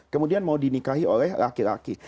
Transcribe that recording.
kemudian mau dinikahi oleh laki laki